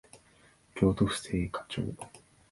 京都府精華町